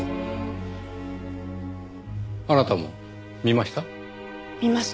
あなたも見ました？